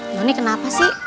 noni kenapa sih